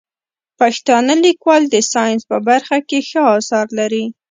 پښتانه لیکوالان د ساینس په برخه کې ښه اثار لري.